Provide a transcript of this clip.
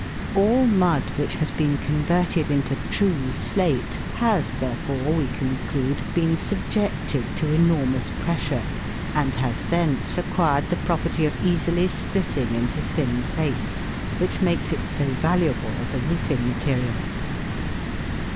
All mud which has been converted into true slate has, therefore, we conclude, been subjected to enormous pressure, and has thence acquired the property of easily splitting into thin plates, which makes it so valuable as a roofing material.